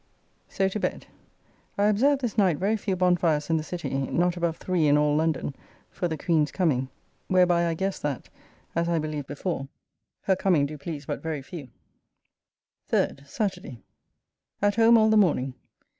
So to bed. I observed this night very few bonfires in the City, not above three in all London, for the Queen's coming; whereby I guess that (as I believed before) her coming do please but very few. 3d. Saturday. At home all the morning.